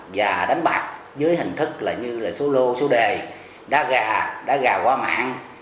và đánh bạc dưới hình thức là như số lô số đề đá gà đá gà qua mạng